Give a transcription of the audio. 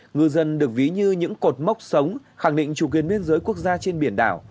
ngư dân được ví như những cột mốc sống khẳng định chủ quyền biên giới quốc gia trên biển đảo